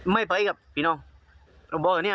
ไหมไฟกับพี่น้องป็อกไม่ไป